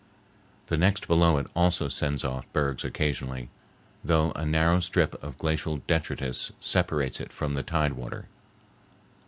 The next below it also sends off bergs occasionally, though a narrow strip of glacial detritus separates it from the tidewater.